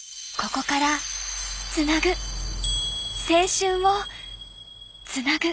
ここから、つなぐ。